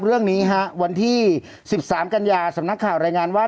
เรื่องนี้ฮะวันที่๑๓กันยาสำนักข่าวรายงานว่า